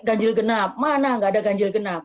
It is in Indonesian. ganjil genap mana nggak ada ganjil genap